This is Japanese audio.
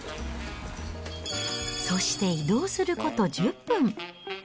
そして移動すること１０分。